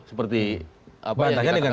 seperti apa yang dikatakan